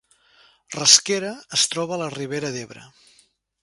Rasquera es troba a la Ribera d’Ebre